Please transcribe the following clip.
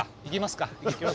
行きますか。